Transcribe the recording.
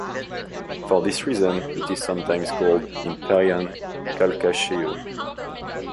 For this reason it is sometimes called "Imperial Calcasieu".